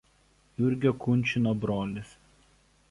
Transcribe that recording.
Jurgio Kunčino brolis.